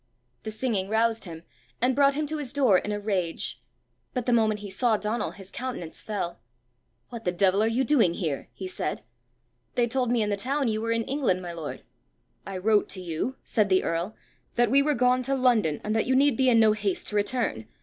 The singing roused him, and brought him to his door in a rage. But the moment he saw Donal his countenance fell. "What the devil are you doing here?" he said. "They told me in the town you were in England, my lord!" "I wrote to you," said the earl, "that we were gone to London, and that you need be in no haste to return.